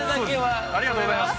ありがとうございます。